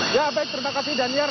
ya baik terima kasih daniar